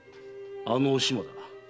あのお島だ。